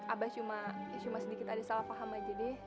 abah cuma sedikit ada salah paham aja deh